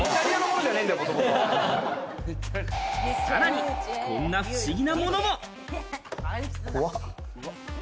さらに、こんな不思議なものも。